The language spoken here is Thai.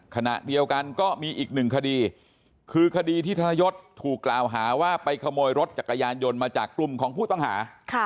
ขณะเดียวกันก็มีอีกหนึ่งคดีคือคดีที่ธนยศถูกกล่าวหาว่าไปขโมยรถจักรยานยนต์มาจากกลุ่มของผู้ต้องหา